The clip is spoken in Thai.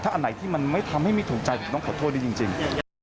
อันไหนที่มันไม่ทำให้ไม่ถูกใจผมต้องขอโทษจริง